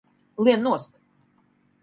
Lien nost!